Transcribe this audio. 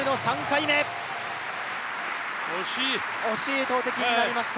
惜しい投てきになりました。